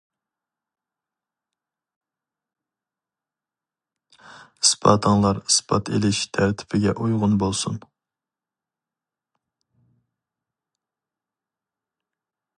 ئىسپاتىڭلار ئىسپات ئېلىش تەرتىپىگە ئۇيغۇن بولسۇن.